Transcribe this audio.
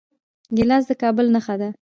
ګیلاس د کابل نښه ده.